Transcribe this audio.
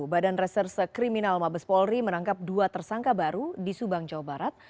badan reserse kriminal mabes polri menangkap dua tersangka baru di subang jawa barat